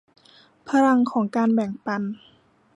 พลังของการแบ่งปัน